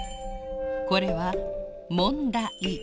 これはもんだ「い」。